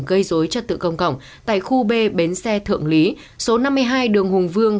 gây dối trật tự công cộng tại khu b bến xe thượng lý số năm mươi hai đường hùng vương